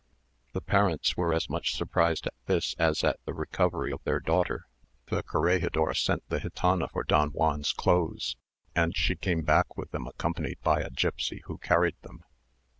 The parents were as much surprised at this as at the recovery of their daughter. The corregidor sent the gitana for Don Juan's clothes, and she came back with them accompanied by a gipsy who carried them.